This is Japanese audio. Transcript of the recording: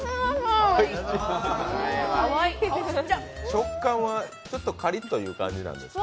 食感はちょっとカリッという感じなんですか。